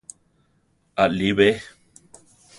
Aʼlí be?